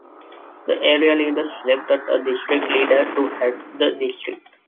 The area leaders selected a district leader to head the district.